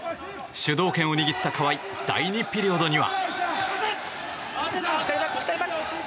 主導権を握った川井第２ピリオドには。